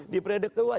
di periode kedua